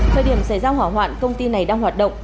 thời điểm xảy ra hỏa hoạn công ty này đang hoạt động